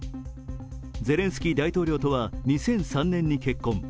ゼレンスキー大統領とは２００３年に結婚。